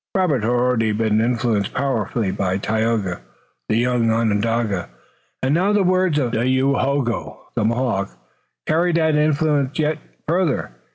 Robert had already been influenced powerfully by Tayoga, the young Onondaga, and now the words of Dayohogo, the Mohawk, carried that influence yet further.